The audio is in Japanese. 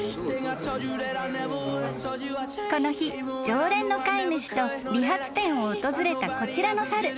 ［この日常連の飼い主と理髪店を訪れたこちらの猿］